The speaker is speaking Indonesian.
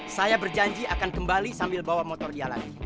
saya berjanji akan kembali sambil bawa motor dia lagi